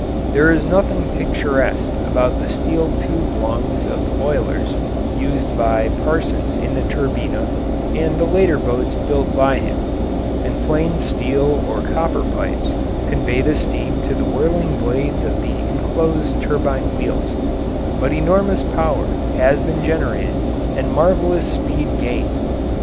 There is nothing picturesque about the steel tube lungs of the boilers used by Parsons in the Turbina and the later boats built by him, and plain steel or copper pipes convey the steam to the whirling blades of the enclosed turbine wheels, but enormous power has been generated and marvellous speed gained.